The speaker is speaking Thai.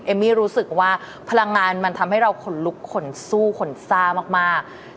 มี่รู้สึกว่าพลังงานมันทำให้เราขนลุกขนสู้ขนซ่ามาก